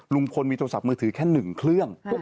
ลุงพลมีโทรศัพท์มือถือแค่๑เครื่อง